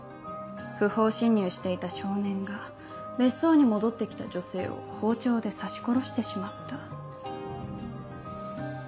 不法侵入していた少年が別荘に戻って来た女性を包丁で刺し殺してしまった。